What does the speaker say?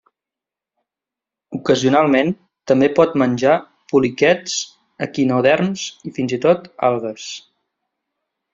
Ocasionalment també pot menjar poliquets, equinoderms i, fins i tot, algues.